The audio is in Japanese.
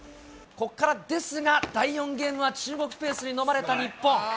ここからですが、第４ゲームは中国ペースに飲まれた日本。